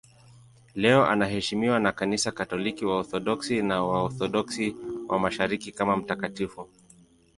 Leo anaheshimiwa na Kanisa Katoliki, Waorthodoksi na Waorthodoksi wa Mashariki kama mtakatifu.